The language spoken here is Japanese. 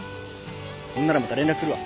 そんならまた連絡するわ。